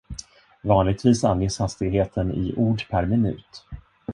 Vanligtvis anges hastigheten i ord per minut.